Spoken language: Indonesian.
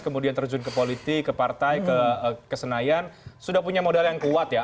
kemudian terjun ke politik ke partai ke senayan sudah punya modal yang kuat ya